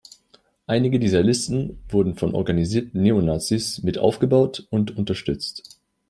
Einige dieser Listen wurden von organisierten Neonazis mit aufgebaut und unterstützt.